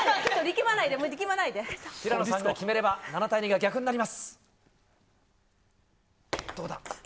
平野さんが決めれば７対２が逆になる。